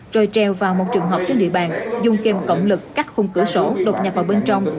rồi treo vào một trường học trên địa bàn dùng kem cộng lực cắt khung cửa sổ đột nhập vào bên trong